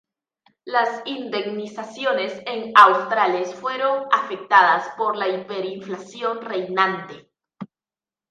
Las indemnizaciones en australes fueron afectadas por la hiperinflación reinante.